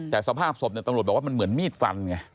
แต่สภาพศพตำรวจบอกว่ามันเหมือนมีดฟันไง